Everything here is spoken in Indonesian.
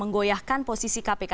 menggoyahkan posisi kpk